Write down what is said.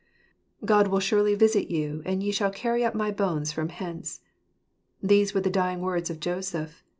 JfOD will surely visit you, and ye shall carry up my bones from hence." These were the dying words of Joseph.